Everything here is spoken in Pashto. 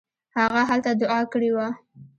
هغه هلته دوعا کړې وه.